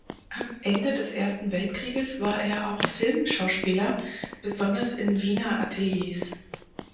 Ab Ende des Ersten Weltkrieges war er auch Filmschauspieler, besonders in Wiener Ateliers.